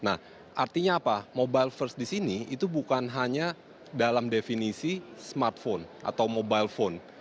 nah artinya apa mobile first di sini itu bukan hanya dalam definisi smartphone atau mobile phone